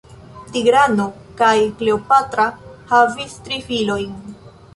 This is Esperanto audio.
Tigrano kaj Kleopatra havis tri filojn.